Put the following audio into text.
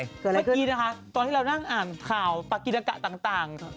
เมื่อกี้นะคะตอนที่เรานั่งอ่านข่าวปากิดะต่าง